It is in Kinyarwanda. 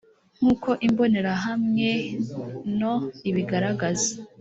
nk uko imbonerahamwe no ibigaragaza